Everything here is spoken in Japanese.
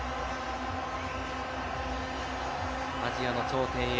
アジアの頂点へ。